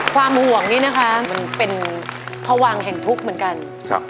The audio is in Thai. ความห่วงนี้นะคะมันเป็นพวังแห่งทุกข์เหมือนกันครับ